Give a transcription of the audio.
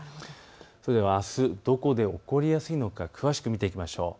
それではあす、どこで起こりやすいのか詳しく見ていきましょう。